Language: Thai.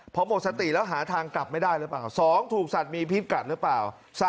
พอหมดสติแล้วหาทางกลับไม่ได้หรือเปล่า๒ถูกสัตว์มีพิษกัดหรือเปล่า